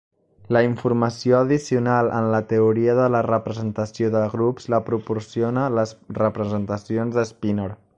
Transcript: La informació addicional en la teoria de la representació de grups la proporciona les representacions de Spinor.